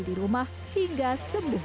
di rumah hingga sembuh